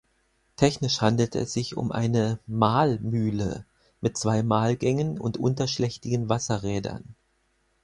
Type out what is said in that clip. Technisch handelte es sich um eine "Mahlmühle" mit zwei Mahlgängen und unterschlächtigen Wasserrädern.